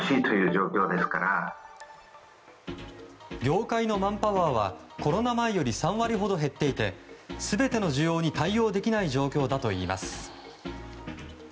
業界のマンパワーはコロナ前より３割ほど減っていて全ての需要に対応できない状況だといいます。